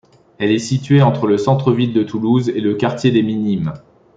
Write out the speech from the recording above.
Elle est située entre le centre-ville de Toulouse et le quartier des Minimes.